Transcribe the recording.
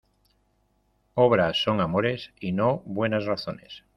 Obras son amores y no buenas razones.